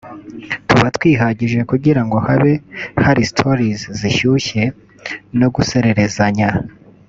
tuba twihagije kugira ngo habe hari Stories ziryoshye no gusererezanya